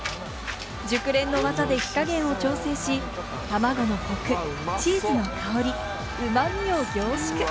熟練の技で火加減を調節し、卵のコク、チーズの香り、うま味を凝縮。